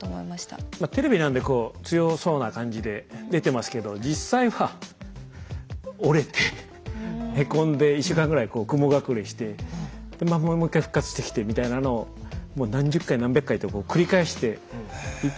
テレビなんで強そうな感じで出てますけど実際は折れてへこんで１週間ぐらい雲隠れしてもう１回復活してきてみたいなのをもう何十回何百回と繰り返していて。